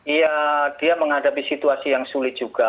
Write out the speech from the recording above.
iya dia menghadapi situasi yang sulit juga